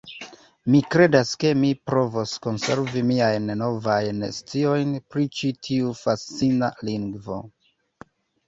Mi kredas ke mi provos konservi miajn novajn sciojn pri ĉi tiu fascina lingvo.